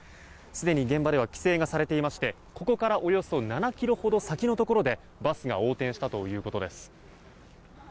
すでに現場では規制がされていましてここからおよそ７ｋｍほど先のところでバスが横転したということです。